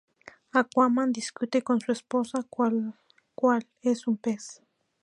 Aquaman discute con su esposa, cual es un pez.